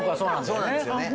そうなんですよね